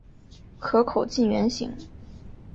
壳口近圆形。